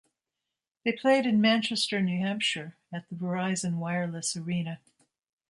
They played in Manchester, New Hampshire, at the Verizon Wireless Arena.